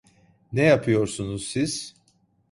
Ne yapıyorsunuz siz?